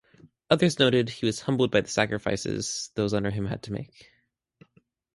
Others noted he was humbled by the sacrifices those under him had made.